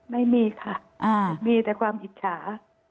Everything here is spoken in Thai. ไม่มีค่ะมีแต่ความอิจฉา